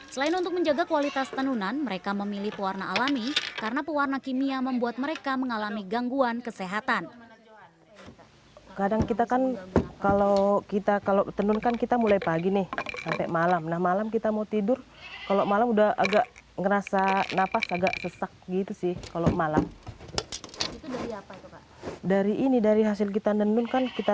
selain untuk menjaga kualitas tenunan mereka memilih pewarna alami karena pewarna kimia membuat mereka mengalami gangguan kesehatan